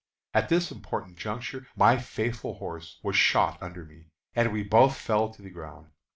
At this important juncture my faithful horse was shot under me, and we both fell to the ground.